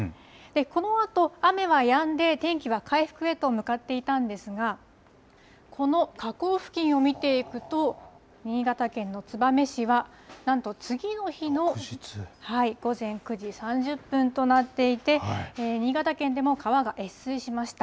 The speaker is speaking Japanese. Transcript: このあと雨はやんで、天気は回復へと向かっていたんですが、この河口付近を見ていくと、新潟県の燕市は、なんと次の日の午前９時３０分となっていて、新潟県でも川が越水しました。